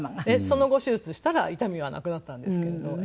その後手術したら痛みはなくなったんですけれど。